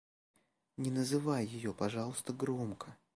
Не называй ее, пожалуйста, громко...